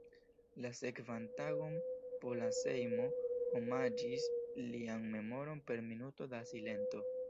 La sekvan tagon Pola Sejmo omaĝis lian memoron per minuto da silento.